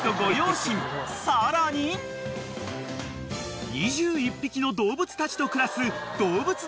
さらに２１匹の動物たちと暮らすどうぶつ